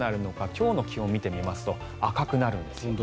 今日の気温を見てみますと赤くなるんですね。